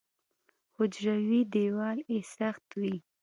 حجروي دیوال یې سخت وي.